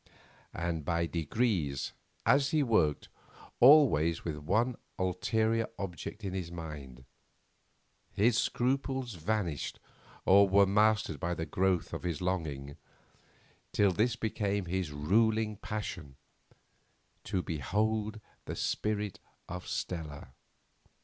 And by degrees, as he worked, always with one ulterior object in his mind, his scruples vanished or were mastered by the growth of his longing, till this became his ruling passion—to behold the spirit of Stella.